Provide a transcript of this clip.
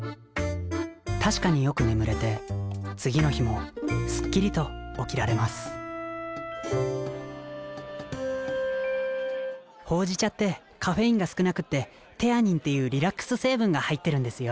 確かによく眠れて次の日もスッキリと起きられますほうじ茶ってカフェインが少なくってテアニンっていうリラックス成分が入ってるんですよ。